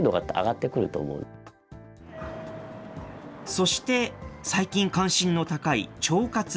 そして最近関心の高い腸活。